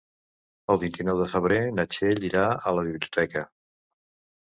El vint-i-nou de febrer na Txell irà a la biblioteca.